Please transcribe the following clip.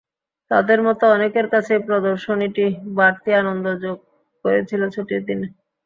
তাঁদের মতো অনেকের কাছেই প্রদর্শনীটি বাড়তি আনন্দ যোগ করেছিল ছুটির দিনে।